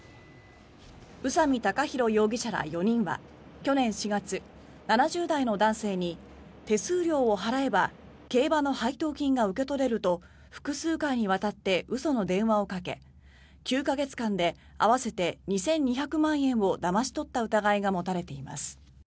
宇佐美貴宏容疑者ら４人は去年４月７０代の男性に手数料を払えば競馬の配当金が受け取れると複数回にわたって嘘の電話をかけ９か月間で合わせて２２００万円をだまし取った疑いが持たれています。